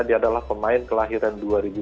dia adalah pemain kelahiran dua ribu satu